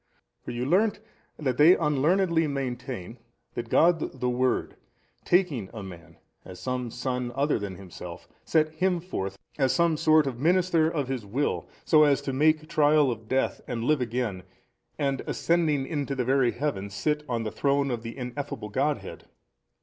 For you learnt that they unlearnedly maintain that God the Word taking a man, as some son other than Himself, set him forth, as a sort of minister of His Will, so as to make trial of death, and live again, and ascending into the very heaven, sit on the Throne of the Ineffable Godhead!